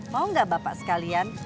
mau gak bapak sekalian